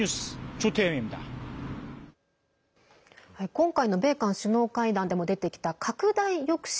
今回の米韓首脳会談でも出てきた拡大抑止。